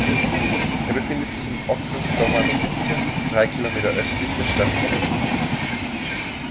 Er befindet sich im Okres Domažlice drei Kilometer östlich der Stadt Kdyně.